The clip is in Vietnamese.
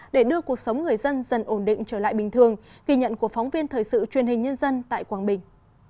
để đưa cuộc sống người dân dần ổn định trở lại bình thường ghi nhận của phóng viên thời sự truyền hình nhân dân tại quảng bình